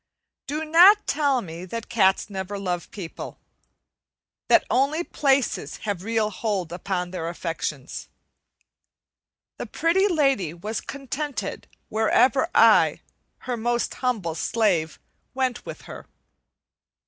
Do not tell me that cats never love people; that only places have real hold upon their affections. The Pretty Lady was contented wherever I, her most humble slave, went with her.